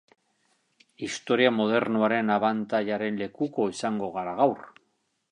Historia modernoaren abantailaren lekuko izango gara gaur.